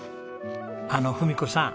あの文子さん